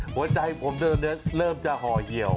หัวใจผมเริ่มจะห่อเหี่ยว